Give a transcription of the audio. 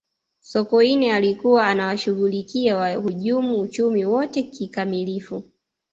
sokoine alikuwa anawashughulikia wahujumu uchumi wote kikamilifu